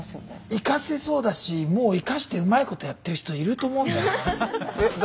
生かせそうだしもう生かしてうまいことやってる人いると思うんだよな。